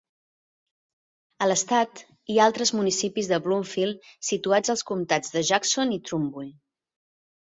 A l'estat, hi ha altres municipis de Bloomfield situats als comtats de Jackson i Trumbull.